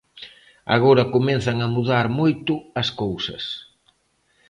Agora comezan a mudar moito as cousas.